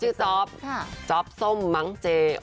ชื่อจอฟจอฟส้มมั๊งเจ